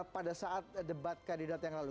pada saat debat kandidat yang lalu